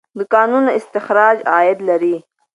د کانونو استخراج عاید لري.